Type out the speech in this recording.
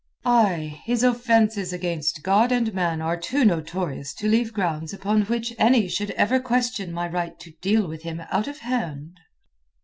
"Ay! His offenses against God and man are too notorious to leave grounds upon which any should ever question my right to deal with him out of hand."